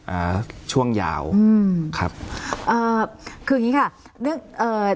อ่าช่วงยาวอืมครับอ่าคืออย่างงี้ค่ะเรื่องเอ่อ